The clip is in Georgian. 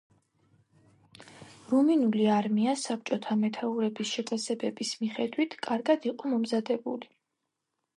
რუმინული არმია, საბჭოთა მეთაურების შეფასებების მიხედვით, კარგად იყო მომზადებული.